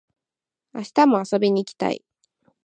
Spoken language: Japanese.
明日も遊びに行きたい